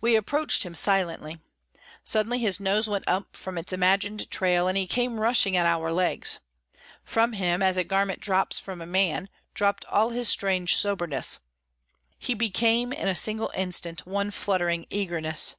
We approached him silently. Suddenly his nose went up from its imagined trail, and he came rushing at our legs. From him, as a garment drops from a man, dropped all his strange soberness; he became in a single instant one fluttering eagerness.